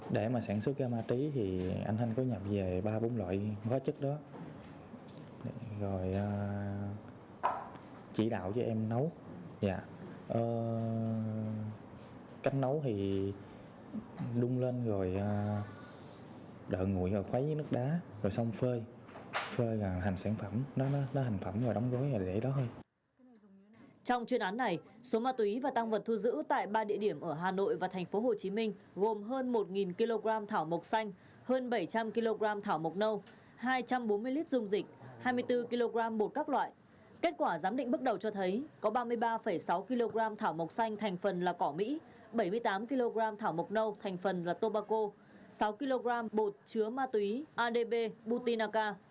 kết quả giám định bước đầu cho thấy có ba mươi ba sáu kg thảo mộc xanh thành phần là cỏ mỹ bảy mươi tám kg thảo mộc nâu thành phần là tobacco sáu kg bột chứa ma túy adb butinaca